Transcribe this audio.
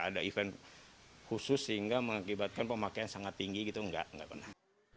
ada event khusus sehingga mengakibatkan pemakaian sangat tinggi gitu nggak pernah